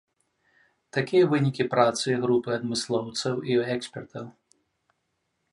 Такія вынікі працы групы адмыслоўцаў і экспертаў.